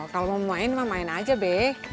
kalau mau main mah main aja be